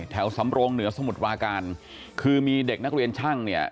สำโรงเหนือสมุทรปราการคือมีเด็กนักเรียนช่างเนี่ย